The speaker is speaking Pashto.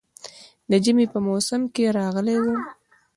د ژمي په موسم کې راغلی وم.